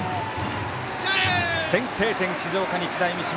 先制点、静岡・日大三島。